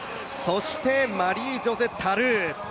そしてマリージョセ・タルー。